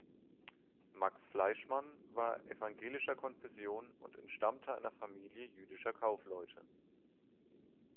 Max Fleischmann war evangelischer Konfession und entstammte einer Familie jüdischer Kaufleute.